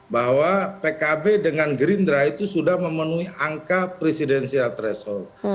bahwa pkb dengan gerindra itu sudah memenuhi angka presidensial threshold